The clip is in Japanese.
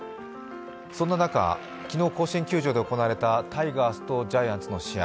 そんな中、昨日、甲子園球場で行われたタイガースとジャイアンツの試合。